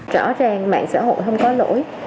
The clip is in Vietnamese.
rõ ràng mạng xã hội không có lỗi